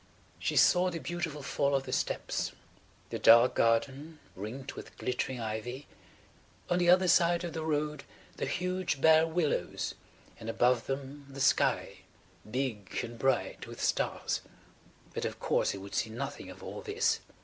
She saw the beautiful fall of the steps, the dark garden ringed with glittering ivy, on the other side of the road the huge bare willows and above them the sky big and bright with stars. But of course he would see nothing of all this.